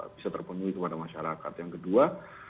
bisa terpenuhi kepada masyarakat yang kedua